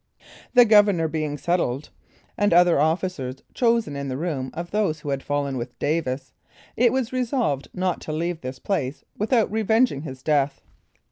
The governor being settled, and other officers chosen in the room of those who had fallen with Davis, it was resolved not to leave this place without revenging his death.